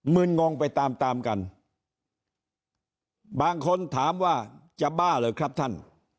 ืนงงไปตามตามกันบางคนถามว่าจะบ้าเหรอครับท่าน